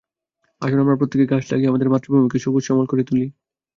আসুন, আমরা প্রত্যেকে গাছ লাগিয়ে আমাদের মাতৃভূমিকে সবুজ শ্যামল করে তুলি।